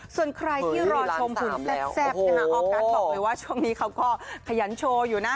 ส่วนใครที่รอชมหุ่นแซ่บนะคะออกัสบอกเลยว่าช่วงนี้เขาก็ขยันโชว์อยู่นะ